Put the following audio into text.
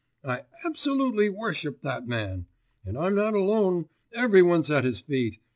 I absolutely worship that man! And I'm not alone, every one's at his feet!